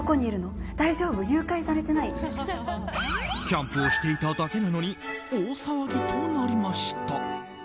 キャンプをしていただけなのに大騒ぎとなりました。